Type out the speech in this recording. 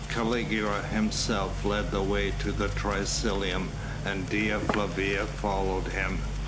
Caligula himself led the way to the triclinium and Dea Flavia followed him.